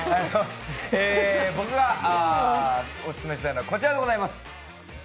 僕がオススメしたいのはこちらでございます。